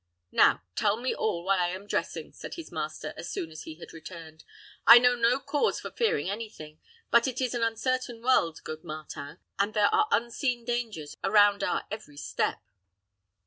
"Now tell me all, while I am dressing," said his master, as soon as he had returned. "I know no cause for fearing any thing; but it is an uncertain world, good Martin, and there are unseen dangers around our every step."